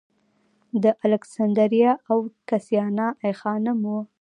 د الکسندریه اوکسیانا ای خانم و